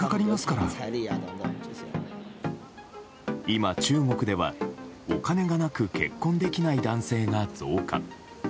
今、中国ではお金がなく結婚できない男性が増加。